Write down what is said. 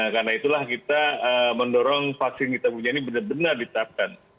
karena itulah kita mendorong vaksin kita punya ini benar benar ditetapkan